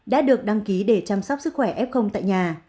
đã được đăng ký để chăm sóc sức khỏe f tại nhà